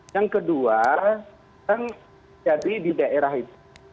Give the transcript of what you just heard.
yang kedua kan jadi di daerah itu